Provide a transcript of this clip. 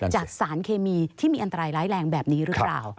จากสารเคมีที่มีอันตรายร้ายแรงแบบนี้หรือเปล่า